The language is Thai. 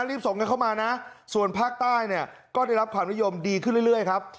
รีบส่งกันเข้ามานะส่วนภาคใต้เนี่ยก็ได้รับความนิยมดีขึ้นเรื่อยครับ